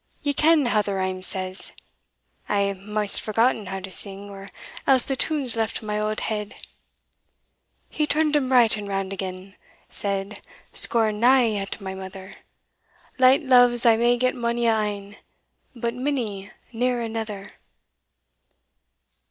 Ye ken how the rhyme says I hae maist forgotten how to sing, or else the tune's left my auld head "He turn'd him right and round again, Said, Scorn na at my mither; Light loves I may get mony a ane, But minnie neer anither.